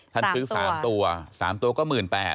ท่านคือ๓ตัว๓ตัวก็๑๘๐๐๐บาท